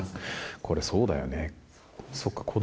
これ、そうだよね。